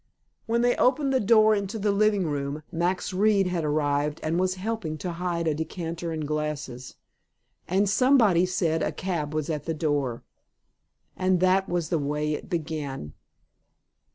When they opened the door into the living room, Max Reed had arrived and was helping to hide a decanter and glasses, and somebody said a cab was at the door. And that was the way it began.